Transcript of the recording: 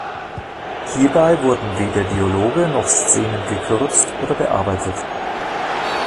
Hierbei wurden weder Dialoge noch Szenen gekürzt oder bearbeitet.